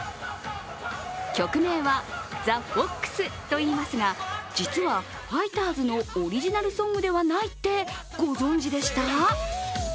曲名は「ＴｈｅＦｏｘ」といいますが、実は、ファイターズのオリジナルソングではないってご存じでした？